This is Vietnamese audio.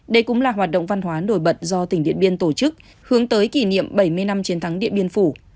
đây cũng là hoạt động văn hóa nổi bật do tỉnh điện biên tổ chức hướng tới kỷ niệm bảy mươi năm chiến thắng điện biên phủ